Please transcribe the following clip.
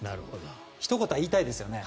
ひと言は言いたいですよね。